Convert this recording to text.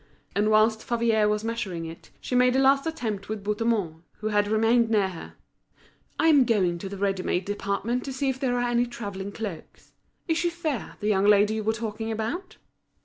And whilst Favier was measuring it, she made a last attempt with Bouthemont, who had remained near her. "I'm going up to the ready made department to see if there are any travelling cloaks. Is she fair, the young lady you were talking about?"